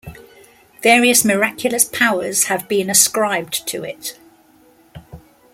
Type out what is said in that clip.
Various miraculous powers have been ascribed to it.